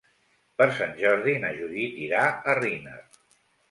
Per Sant Jordi na Judit irà a Riner.